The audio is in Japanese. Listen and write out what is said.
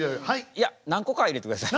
いや何個かは入れてください。